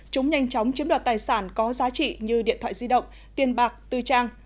chúng nhanh chóng chiếm đoạt tài sản có giá trị như điện thoại di động tiền bạc tư trang